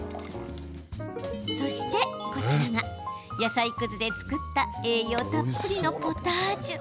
そして、こちらが野菜くずで作った栄養たっぷりのポタージュ。